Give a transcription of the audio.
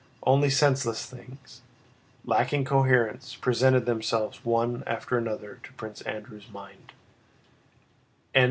Only senseless things, lacking coherence, presented themselves one after another to Prince Andrew's mind.